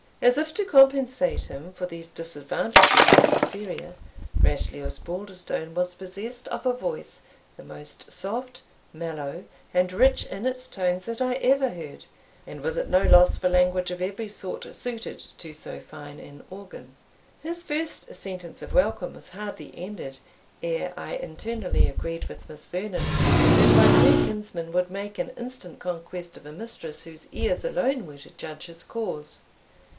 As if to compensate him for these disadvantages of exterior, Rashleigh Osbaldistone was possessed of a voice the most soft, mellow, and rich in its tones that I ever heard, and was at no loss for language of every sort suited to so fine an organ. His first sentence of welcome was hardly ended, ere I internally agreed with Miss Vernon, that my new kinsman would make an instant conquest of a mistress whose ears alone were to judge his cause.